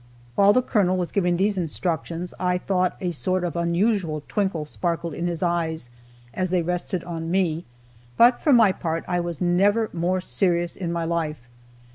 While the Colonel was giving these instructions, I thought a sort of unusual twinkle sparkled in his eyes, as they rested on me. But, for my part, I was never more serious in my life.